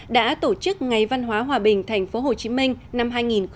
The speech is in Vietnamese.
đã tổ chức ngày văn hóa hòa bình tp hcm năm hai nghìn một mươi tám